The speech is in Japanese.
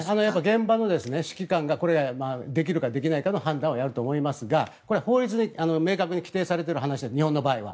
現場の指揮官ができるかできないかの判断はやると思いますが法律で明確に規定されている話日本の場合は。